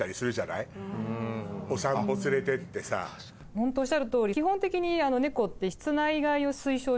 ホントおっしゃる通り基本的に。